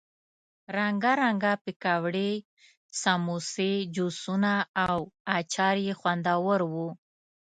رنګه رنګه پکوړې، سموسې، جوسونه او اچار یې خوندور وو.